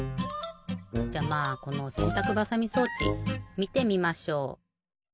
じゃまあこのせんたくばさみ装置みてみましょう！